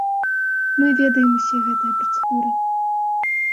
Мы ведаем усе гэтыя працэдуры.